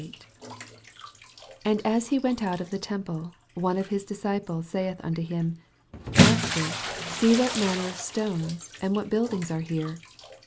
1 And as he went out of the tem ple, one of his disciples saith unto him, Master, see what manner of stones and what buildings are here